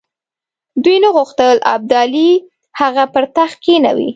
دوی نه غوښتل ابدالي هغه پر تخت کښېنوي.